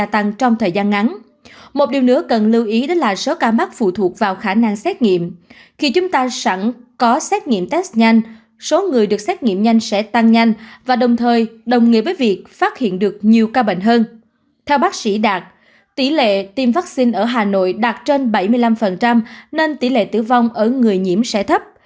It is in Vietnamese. tỷ lệ tiêm vaccine ở hà nội đạt trên bảy mươi năm nên tỷ lệ tử vong ở người nhiễm sẽ thấp